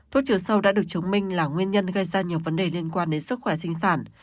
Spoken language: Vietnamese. thuốc trừ sâu đã được chứng minh là nguyên nhân gây ra nhiều vấn đề liên quan đến sức khỏe sinh sản